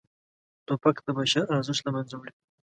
توپک د بشر ارزښت له منځه وړي.